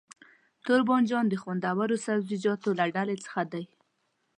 توربانجان د خوندورو سبزيجاتو له ډلې څخه دی.